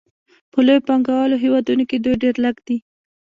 په لویو پانګوالو هېوادونو کې دوی ډېر لږ دي